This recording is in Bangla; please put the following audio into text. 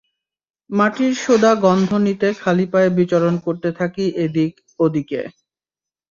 মাটির সোঁদা গন্ধ নিতে খালি পায়ে বিচরণ করতে থাকি এদিক ওদিকে।